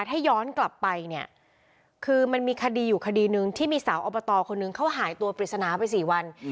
ถ้าย้อนกลับไปเนี่ยคือมันมีคดีอยู่คดีหนึ่งที่มีสาวอบตคนนึงเขาหายตัวปริศนาไป๔วัน